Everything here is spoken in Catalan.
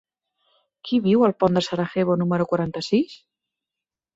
Qui viu al pont de Sarajevo número quaranta-sis?